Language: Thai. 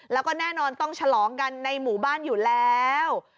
แล้วก็แน่นอนต้องฉลองกันในหมู่บ้านอยู่แล้ว